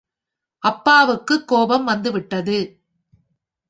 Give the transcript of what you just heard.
அப்பாவுக்குக் கோபம் வந்துவிட்டது.